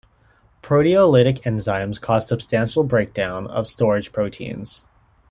Proteolytic enzymes cause substantial breakdown of storage proteins.